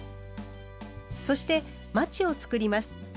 そしてマチを作ります。